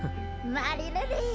マリルリ！